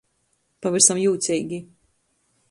Pavysam jūceigi.